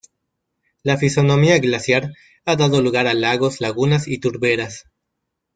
La fisonomía glaciar ha dado lugar a lagos, lagunas y turberas.